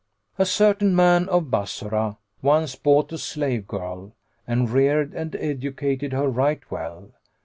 A certain man of Bassorah once bought a slave girl and reared and educated her right well.